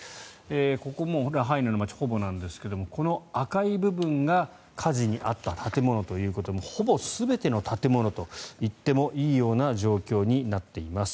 ここもラハイナの街ほぼなんですがこの赤い部分が火事に遭った建物ということでほぼ全ての建物といってもいいような状況になっています。